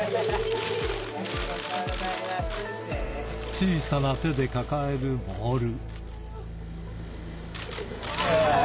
小さな手で抱えるボール。